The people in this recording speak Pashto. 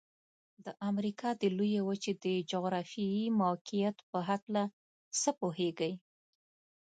د امریکا د لویې وچې د جغرافيايي موقعیت په هلکه څه پوهیږئ؟